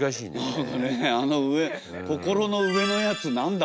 何かねあの上心の上のやつ何だ？